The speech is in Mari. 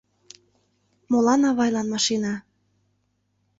Молан авайлан машина?..